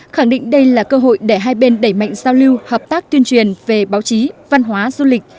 khẳng định đây là cơ hội để hai bên đẩy mạnh giao lưu hợp tác tuyên truyền về báo chí văn hóa du lịch